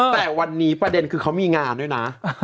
แต่วันนี้ประเด็นคือเขามีงานด้วยนะ